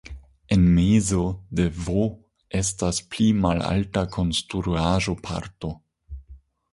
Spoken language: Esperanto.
En mezo de "V" estas pli malalta konstruaĵo-parto.